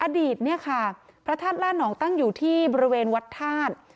อดีตเนี่ยค่ะพระธาตุล่านองตั้งอยู่ที่บริเวณวัดธาตุ